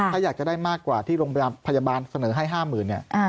ถ้าอยากจะได้มากกว่าที่โรงพยาบาลเสนอให้๕๐๐๐เนี่ย